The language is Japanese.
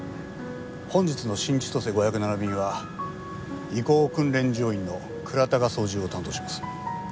本日の新千歳５０７便は移行訓練乗員の倉田が操縦を担当します。